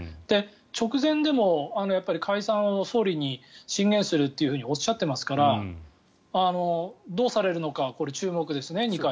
直前でもやっぱり解散を総理に進言するとおっしゃっていますから二階さんがどうされるのか注目ですね。